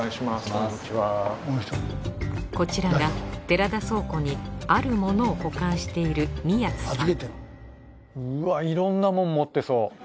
こちらは寺田倉庫にある物を保管している宮津さん